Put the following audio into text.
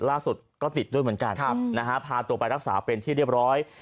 ล่าสุดก็ติดด้วยเหมือนกันนะฮะพาตัวไปรักษาเป็นที่เรียบร้อย